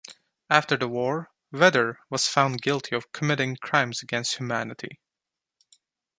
After the war, Vetter was found guilty of committing crimes against humanity.